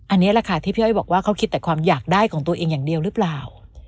อันนี้แหละค่ะที่พี่อ้อยบอกว่าเขาคิดแต่ความอยากได้ของตัวเองอย่างเดียวหรือเปล่า